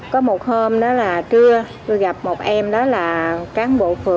có một hôm đó là trưa tôi gặp một em đó là cán bộ phường